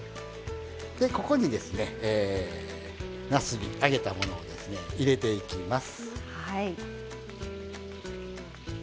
ここになすび、揚げたものを入れていきます。